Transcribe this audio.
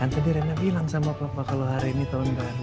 tadi rena bilang sama papa kalau hari ini tahun depan